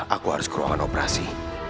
aku harus ke ruangan operasi